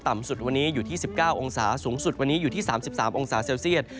สุดวันนี้อยู่ที่๑๙องศาสูงสุดวันนี้อยู่ที่๓๓องศาเซลเซียต